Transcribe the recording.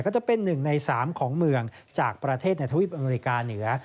ก็จะเป็น๑ใน๓ของเมืองจากประเทศในทวีปอเมริกาเหนือ